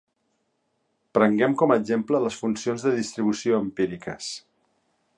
Prenguem com a exemple les funcions de distribució empíriques.